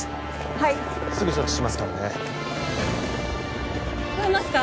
はいすぐ処置しますからね聞こえますか？